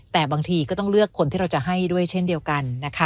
แต่บางทีก็ต้องเลือกคนที่เราจะให้ด้วยเช่นเดียวกันนะคะ